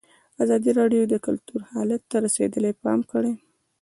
ازادي راډیو د کلتور حالت ته رسېدلي پام کړی.